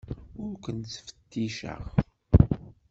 Ur ken-ttfetticeɣ.